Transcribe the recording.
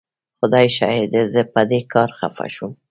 خدای شاهد دی زه په دې کار خفه شوم.